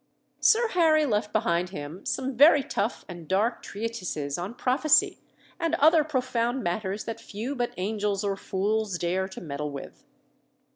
Sir Harry left behind him some very tough and dark treatises on prophecy, and other profound matters that few but angels or fools dare to meddle with.